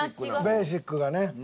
ベーシックがね。